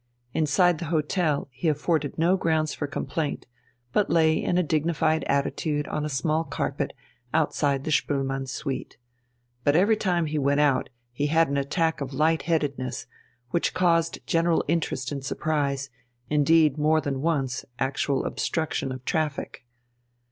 Inside the hotel he afforded no grounds for complaint, but lay in a dignified attitude on a small carpet outside the Spoelmanns' suite. But every time he went out he had an attack of light headedness, which caused general interest and surprise, indeed more than once actual obstruction of traffic.